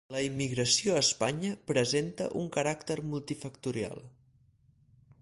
La immigració a Espanya presenta un caràcter multifactorial.